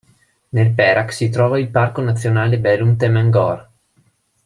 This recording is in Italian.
Nel Perak si trova il parco nazionale Belum-Temenggor.